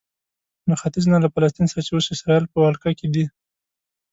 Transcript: له ختیځ نه له فلسطین سره چې اوس اسراییل په ولکه کې دی.